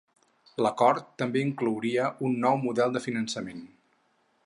L'acord també inclouria un nou model de finançament.